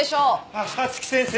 あっ早月先生。